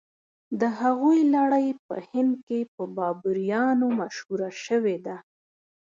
د هغوی لړۍ په هند کې په بابریانو مشهوره شوې ده.